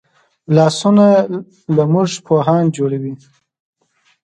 لاسونه له موږ پوهان جوړوي